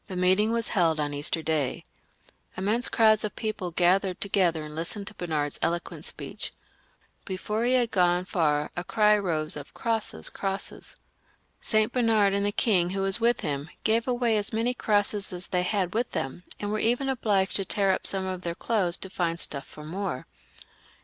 The meeting was held on Easter Day. Immense crowds of people gathered together and listened to Ber nard's eloquent speech. Before he had gone far a cry rose of " Crosses ! crosses !" St. Bernard and the king, who was with him, gave away as many crosses as they had with them, and were even obliged to tear up some of their clothes to find stuff for more.